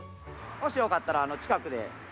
もしよかったら近くで。